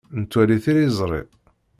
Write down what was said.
Nettwali tiliẓri.